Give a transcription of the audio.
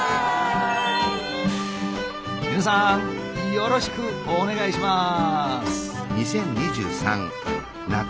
よろしくお願いします！